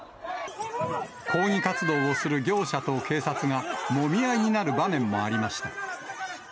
抗議活動をする業者と警察がもみ合いになる場面もありました。